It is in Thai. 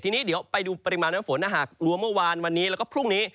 ทีนี้เดี๋ยวไปดูปริมาณน้ำฝนถ้าหากรวมเมื่อวานวันนี้แล้วก็พรุ่งนี้